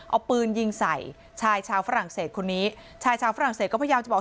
เอาปืนยิงใส่ชายชาวฝรั่งเศสคนนี้ชายชาวฝรั่งเศสก็พยายามจะบอก